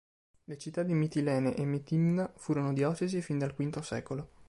Le città di Mitilene e Metimna furono diocesi fin dal V secolo.